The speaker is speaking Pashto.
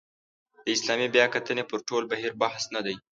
د اسلامي بیاکتنې پر ټول بهیر بحث نه دی.